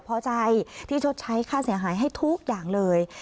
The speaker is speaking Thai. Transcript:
พอใจที่ชดใช้ค่าเสียหายให้ทุกอย่างเลย